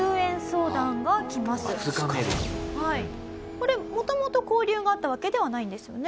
これもともと交流があったわけではないんですよね？